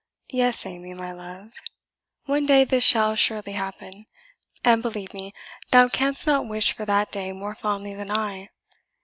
said her husband. "Yes, Amy, my love, one day this shall surely happen; and, believe me, thou canst not wish for that day more fondly than I.